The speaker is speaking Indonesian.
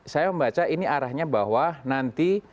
saya membaca ini arahnya bahwa nanti